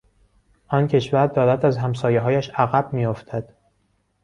آن کشور دارد از همسایههایش عقب میافتد.